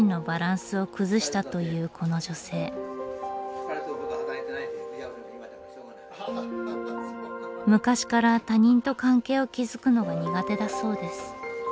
昔から他人と関係を築くのが苦手だそうです。